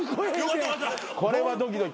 これはドキドキ。